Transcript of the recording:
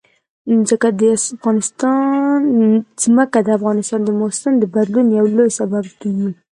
ځمکه د افغانستان د موسم د بدلون یو لوی سبب کېږي.